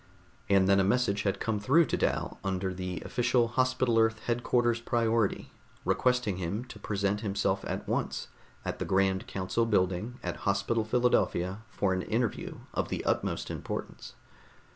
And then a message had come through to Dal under the official Hospital Earth headquarters priority, requesting him to present himself at once at the grand council building at Hospital Philadelphia for an interview of the utmost importance.